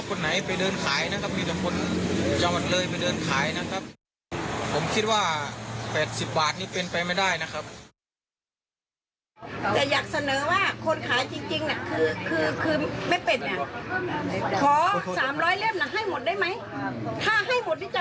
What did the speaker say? การซื้อเซรีค่ะเซรีนี่เขาจะไปซื้อเท่าไหร่ขายเท่าไหร่เป็นงานของเขา